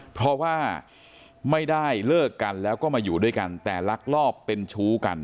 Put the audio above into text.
เพราะว่าไม่ได้เลิกกันแล้วก็มาอยู่ด้วยกันแต่ลักลอบเป็นชู้กัน